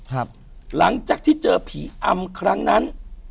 หลังจากที่เจอผีอำครั้งนั้น